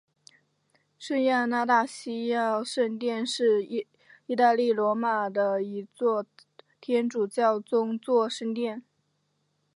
圣亚纳大西亚圣殿是意大利罗马的一座天主教宗座圣殿。